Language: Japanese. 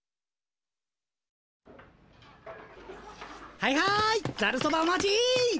はいはいざるそばお待ち！